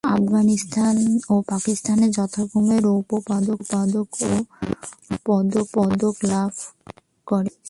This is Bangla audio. আফগানিস্তান ও পাকিস্তান যথাক্রমে রৌপ্যপদক ও ব্রোঞ্জপদক লাভ করে।